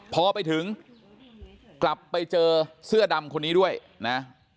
พอไปถึงกลับไปเจอเสื้อดำคนนี้ด้วยนะ